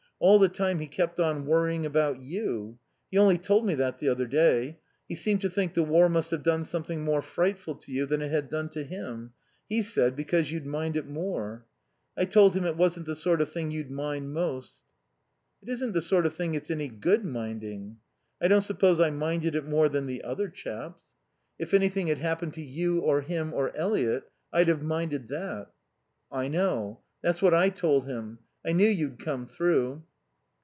All the time he kept on worrying about you. He only told me that the other day. He seemed to think the war must have done something more frightful to you than it had done to him; he said, because you'd mind it more. I told him it wasn't the sort of thing you'd mind most." "It isn't the sort of thing it's any good minding. I don't suppose I minded more than the other chaps. If anything had happened to you, or him, or Eliot, I'd have minded that." "I know. That's what I told him. I knew you'd come through."